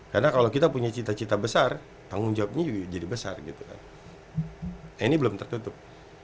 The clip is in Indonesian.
karena kalau kita punya cita cita besar tanggung jawabnya jadi besar gitu kan ini belum tertutup